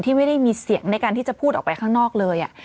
ไม่ได้มีเสียงในการที่จะพูดออกไปข้างนอกเลย